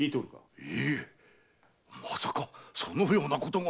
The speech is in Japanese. いいえまさかそのようなことが。